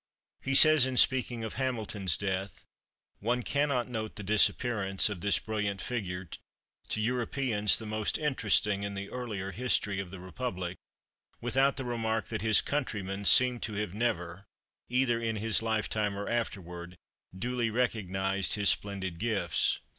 He says, in speaking of Hamilton's death, "One cannot note the disappearance of this brilliant figure, to Europeans the most interesting in the earlier history of the republic, without the remark that his countrymen seem to have never, either in his lifetime or afterward, duly recognized his splendid gifts."